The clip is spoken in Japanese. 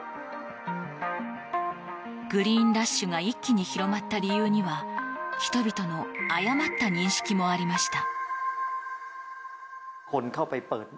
グリーンラッシュが一気に広まった理由には人々の誤った認識もありました。